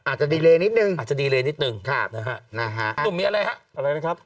อาจจะดีเลยนิดหนึ่งนะครับนะฮะผมมีอะไรฮะอะไรนะครับ